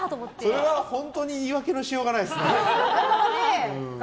それは本当に言い訳のしようがないですね。